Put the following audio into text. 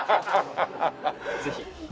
ぜひ。